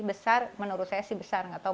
besar menurut saya sih besar gak tau